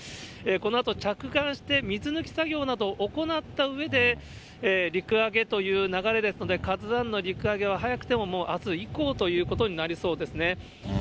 このあと着岸して、水抜き作業など行ったうえで、陸揚げという流れですので、ＫＡＺＵＩの陸揚げは、早くてもあす以降ということになりそうですね。